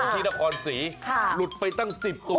ชินครสี่หลุดไปตั้ง๑๐ตัว